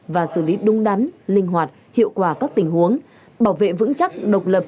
và xử lý đúng đắn linh hoạt hiệu quả các tình huống bảo vệ vững chắc độc lập